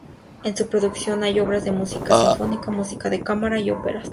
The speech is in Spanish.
En su producción hay obras de música sinfónica, música de cámara y óperas.